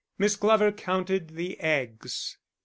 Miss Glover counted the eggs.